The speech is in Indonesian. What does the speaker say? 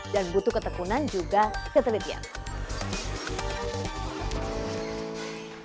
dan butuh ketekunan juga ketelitian